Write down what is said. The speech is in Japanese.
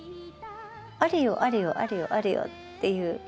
あれよあれよあれよあれよっていう。